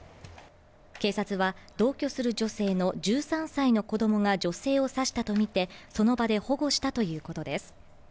警察は同居する女性の１３歳の子供が女性を刺したと見てその場で保護したということです